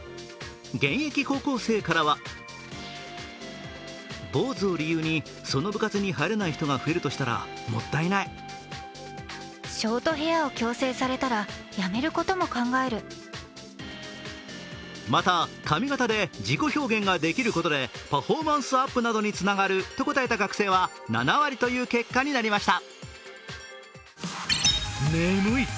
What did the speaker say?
現役高校生からはまた、髪形で自己表現ができることでパフォーマンスアップなどにつながると答えた学生は７割という結果になりました。